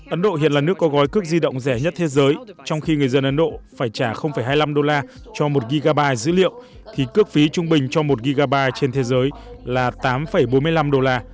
ấn độ hiện là nước có gói cước di động rẻ nhất thế giới trong khi người dân ấn độ phải trả hai mươi năm đô la cho một gigabyte dữ liệu thì cước phí trung bình cho một gigabyte trên thế giới là tám bốn mươi năm đô la